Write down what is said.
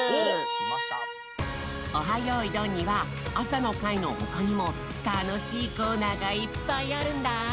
よいどん」にはあさのかいのほかにもたのしいコーナーがいっぱいあるんだ！